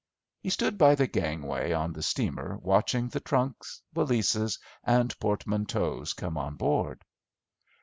He stood by the gangway on the steamer watching the trunks, valises, and portmanteaus come on board.